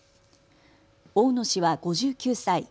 大野氏は５９歳。